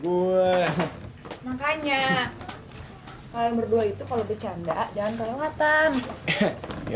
kalian berdua itu kalau bercanda jangan kelewatan